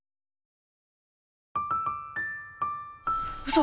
嘘！？